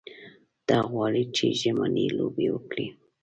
ته غواړې چې ژمنۍ لوبې وکړې.